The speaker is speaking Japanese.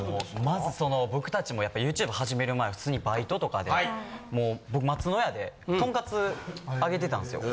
まずその僕達もやっぱりＹｏｕＴｕｂｅ始める前は普通にバイトとかでもう僕松のやでとんかつ揚げてたんですよ。